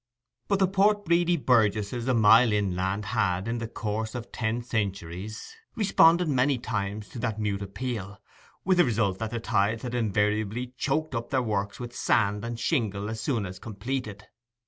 But the Port Bredy burgesses a mile inland had, in the course of ten centuries, responded many times to that mute appeal, with the result that the tides had invariably choked up their works with sand and shingle as soon as completed.